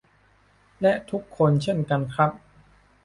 และทุกคนเช่นกันครับ